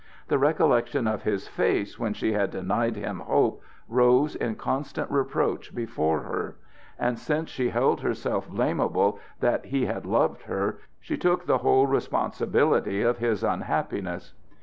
The recollection of his face when she had denied him hope rose in constant reproach before her; and since she held herself blamable that he had loved her, she took the whole responsibility of his unhappiness.